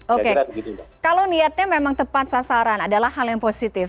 oke kalau niatnya memang tepat sasaran adalah hal yang positif